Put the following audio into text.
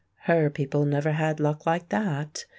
Her people never had luck like that.